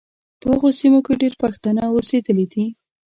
په هغو سیمو کې ډېر پښتانه اوسېدلي دي.